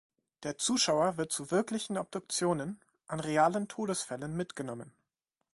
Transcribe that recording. Der Zuschauer wird zu wirklichen Obduktionen an realen Todesfällen mitgenommen.